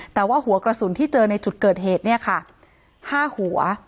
แต่ว่าหัวกระสุนที่เจอในจุดเกิดเหตุเนี่ยค่ะ๕หัว